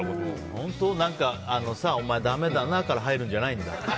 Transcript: お前、だめだなから入るんじゃないんだ。